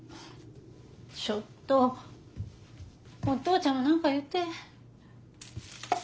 ちょっとお父ちゃんも何か言って。